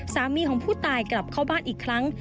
สามีของผู้ตายกลับเข้าบ้านอีกครั้ง